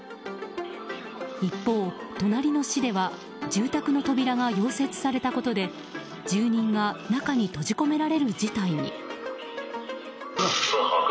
一方、隣の市では住宅の扉が溶接されたことで住人が中に閉じ込められる事態に。